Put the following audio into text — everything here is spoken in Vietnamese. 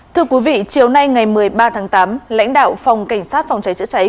thưa quý vị chiều nay ngày một mươi ba tháng tám lãnh đạo phòng cảnh sát phòng cháy chữa cháy